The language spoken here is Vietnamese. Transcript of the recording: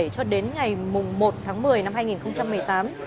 cho đến ngày một tháng một mươi năm hai nghìn một mươi tám